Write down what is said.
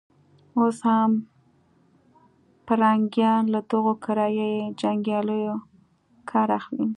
اوس هم پرنګيان له دغو کرایه يي جنګیالیو کار اخلي.